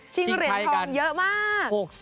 เหรียญทองเยอะมาก